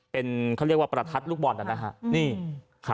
เป็นความเขียกว่าประทัดลูกบอสอันนั้นนะคะ